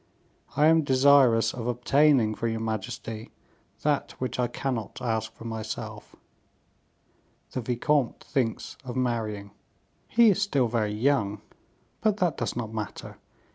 I am desirous of obtaining from your majesty that which I cannot ask for myself. The vicomte thinks of marrying." "He is still very young; but that does not matter.